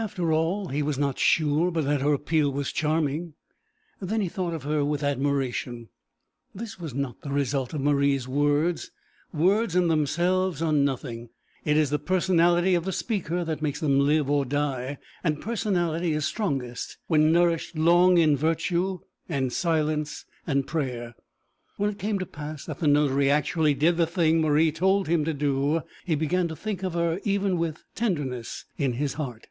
After all, he was not sure but that her appeal was charming. Then he thought of her with admiration. This was not the result of Marie's words words in themselves are nothing; it is the personality of the speaker that makes them live or die, and personality is strongest when nourished long in virtue and silence and prayer. When it came to pass that the notary actually did the thing Marie told him to do, he began to think of her even with tenderness in his heart.